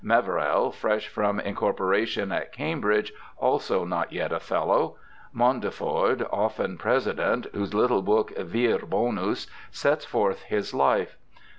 Meverell, fresh from incorpora tion at Cambridge, also not yet a Fellow ; Moundeford, often President, whose little book Vir Bonus sets forth his life.